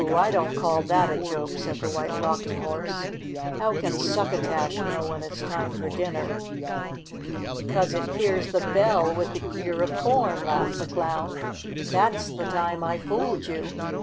I don't call that a joke," said the White Rocking Horse. "How can succotash know when it's time for din ner?" "Because it hears the bell with the ear of corn !'' laughed the clown. *' That 's the time I fooled you!